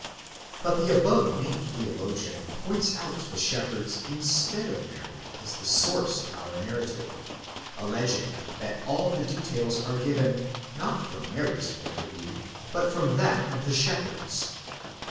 But the above named theologian points out the shepherds instead of Mary as the source of our narrative, alleging that all the details are given, not from Mary's point of view, but from that of the shep herds.